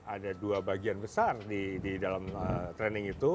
ada dua bagian besar di dalam training itu